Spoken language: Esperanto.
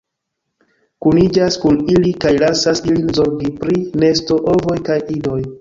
Kuniĝas kun ili kaj lasas ilin zorgi pri nesto, ovoj kaj idoj.